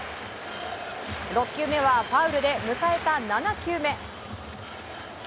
６球目はファウルで迎えた７球目。